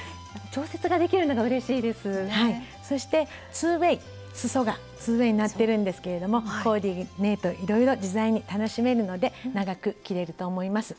そして２ｗａｙすそが２ｗａｙになってるんですけれどもコーディネートいろいろ自在に楽しめるので長く着れると思います。